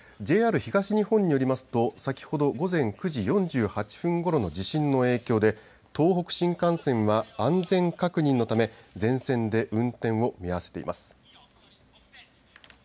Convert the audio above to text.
ＪＲ東日本によりますと先ほど午前９時４８分ごろの地震の影響で東北新幹線は安全確認のため全線で運転を見合わせています。